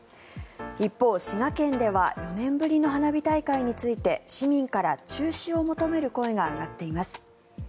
一方、滋賀県では４年ぶりの花火大会について市民から中止を求める声が上がっています。